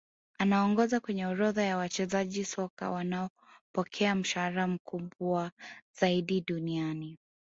Anaongoza kwenye orodha ya wachezaji soka wanaopokea mshahara mkubwa zaidi duniani